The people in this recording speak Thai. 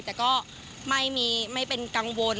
แต่ก็ไม่มีไม่เป็นกังวล